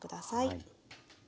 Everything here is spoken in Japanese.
はい。